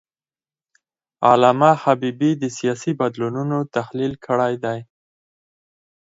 علامه حبیبي د سیاسي بدلونونو تحلیل کړی دی.